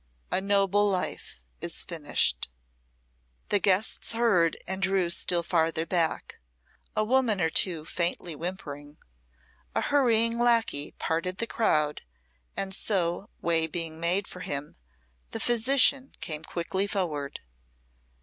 A noble life is finished." The guests heard, and drew still farther back, a woman or two faintly whimpering; a hurrying lacquey parted the crowd, and so, way being made for him, the physician came quickly forward.